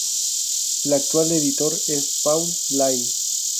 La actual editor es Paul Lay.